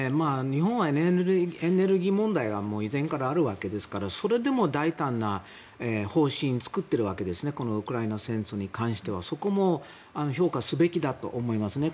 日本はエネルギー問題が以前からあるわけですからそれでも大胆な方針を作っているわけですねウクライナ戦争に関しては。そこも評価すべきだと思いますね。